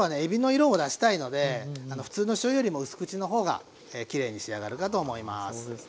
色を出したいので普通のしょうゆよりもうす口の方がきれいに仕上がるかと思います。